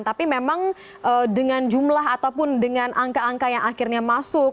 tapi memang dengan jumlah ataupun dengan angka angka yang akhirnya masuk